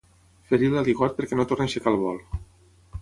Ferir l'aligot perquè no torni a aixecar el vol.